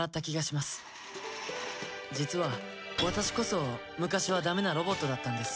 実はワタシこそ昔はダメなロボットだったんです。